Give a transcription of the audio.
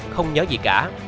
không nhớ gì cả